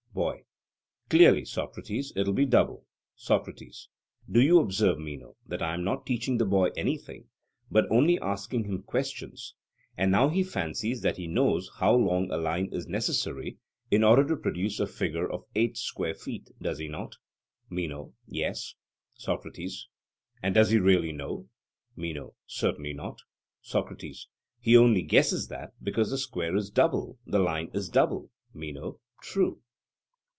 BOY: Clearly, Socrates, it will be double. SOCRATES: Do you observe, Meno, that I am not teaching the boy anything, but only asking him questions; and now he fancies that he knows how long a line is necessary in order to produce a figure of eight square feet; does he not? MENO: Yes. SOCRATES: And does he really know? MENO: Certainly not. SOCRATES: He only guesses that because the square is double, the line is double. MENO: True.